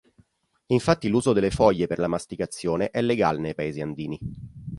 Infatti l'uso delle foglie per la masticazione è legale nei paesi andini.